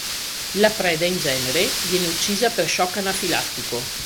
La preda, in genere, viene uccisa per shock anafilattico.